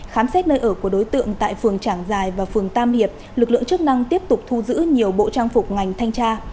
khám xét nơi ở của đối tượng tại phường trảng giải và phường tam hiệp lực lượng chức năng tiếp tục thu giữ nhiều bộ trang phục ngành thanh tra